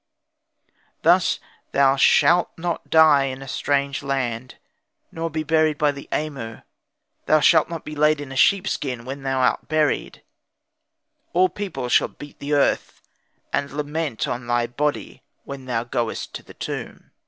Thus thou shalt not die in a strange land, nor be buried by the Amu; thou shalt not be laid in a sheep skin when thou art buried; all people shall beat the earth, and lament on thy body when thou goest to the tomb."